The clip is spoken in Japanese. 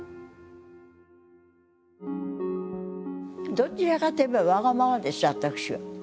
どちらかといえばわがままです私は。